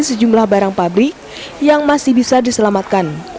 sejumlah barang pabrik yang masih bisa diselamatkan